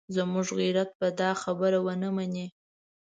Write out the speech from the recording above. زموږ غیرت به دا خبره ونه مني.